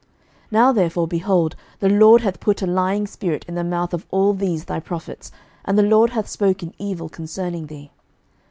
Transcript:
11:022:023 Now therefore, behold, the LORD hath put a lying spirit in the mouth of all these thy prophets, and the LORD hath spoken evil concerning thee.